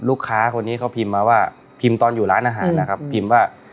ลูกค้าคนนี้เขาพิมพ์มาว่าพิมพ์ตอนอยู่ร้านอาหารนะครับพิมพ์ว่า